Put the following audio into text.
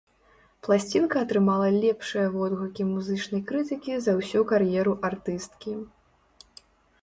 Пласцінка атрымала лепшыя водгукі музычнай крытыкі за ўсю кар'еру артысткі.